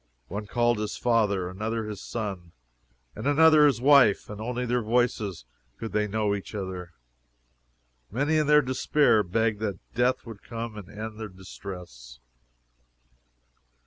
One called his father, another his son, and another his wife, and only by their voices could they know each other. Many in their despair begged that death would come and end their distress.